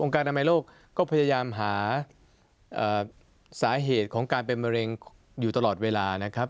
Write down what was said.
การอนามัยโลกก็พยายามหาสาเหตุของการเป็นมะเร็งอยู่ตลอดเวลานะครับ